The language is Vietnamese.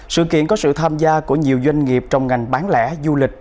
sự kiện có sự tham gia của nhiều doanh nghiệp trong ngành bán lẻ du lịch